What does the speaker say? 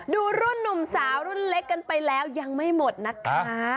ดูรุ่นหนุ่มสาวรุ่นเล็กกันไปแล้วยังไม่หมดนะคะ